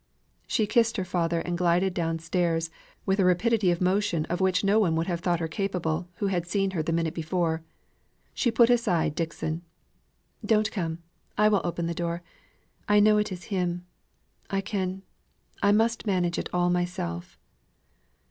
She kissed her father and glided down stairs, with a rapidity of motion of which no one would have thought her capable, who had seen her the minute before. She put aside Dixon. "Don't come; I will open the door. I know it is him I can I must manage it all myself."